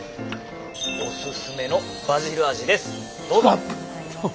おすすめのバジル味です。